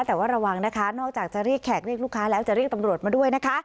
แต่ว่าระวังนะคะนอกจากจะเรียกแขกเรียกลูกค้าแล้วจะเรียกตำรวจมาด้วยนะคะ